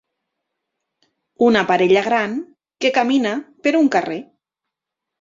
Una parella gran que camina per un carrer.